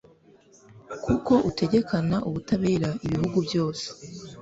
kuko utegekana ubutabera ibihugu byose